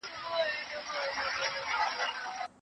که مطالعه دوامداره وي نو شعور پخيږي.